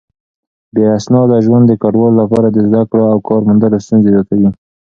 بې اسناده ژوند د کډوالو لپاره د زده کړو او کار موندلو ستونزې زياتوي.